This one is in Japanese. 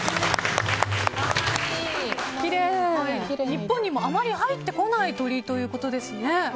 日本にもあまり入ってこない鳥ということですね。